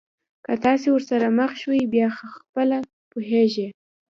که تاسي ورسره مخ شوی بیا خپله پوهېږئ.